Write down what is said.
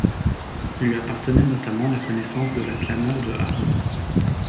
Lui appartenait notamment la connaissance de la clameur de haro.